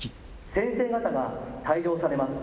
先生方が退場されます。